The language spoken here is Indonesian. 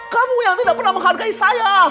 kamu yang tidak pernah menghargai saya